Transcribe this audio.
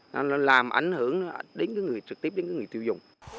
nó làm ảnh hưởng đến cái người trực tiếp đến cái người tiêu dùng